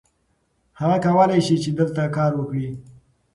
هغه کولی شي چې دلته کار وکړي.